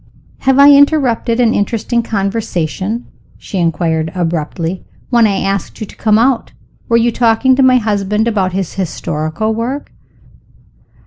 "Have I interrupted an interesting conversation?" she inquired abruptly. "When I asked you to come out, were you talking to my husband about his historical work?"